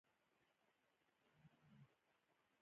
ورزش کول د شکرې ناروغۍ مخه نیسي.